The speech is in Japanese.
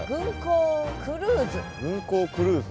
軍港クルーズ？